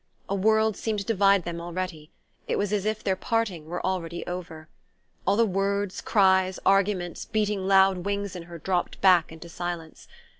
A world seemed to divide them already: it was as if their parting were already over. All the words, cries, arguments beating loud wings in her dropped back into silence.